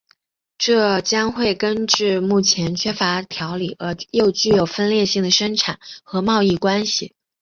这将会根治目前缺乏条理而又具分裂性的生产和贸易关系。